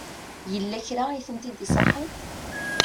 Yella kra i tent-id-isaḥen?